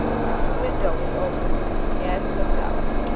The window was open. Ashe looked out.